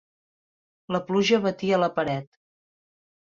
La pluja batia la paret.